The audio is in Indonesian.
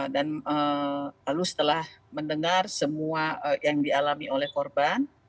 dan lalu setelah mendengar semua yang dialami oleh korban